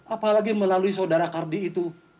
apalagi melalui saudara kardi itu